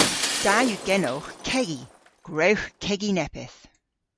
Da yw genowgh kegi. Gwrewgh kegi neppyth!